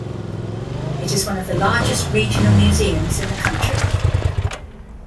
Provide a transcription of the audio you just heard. It is one of the largest regional museums in the country.